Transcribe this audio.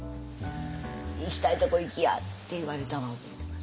行きたいとこ行きや！」って言われたの覚えてます。